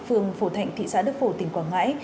phường phổ thạnh thị xã đức phổ tỉnh quảng ngãi